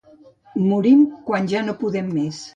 Morim, quan ja no podem més.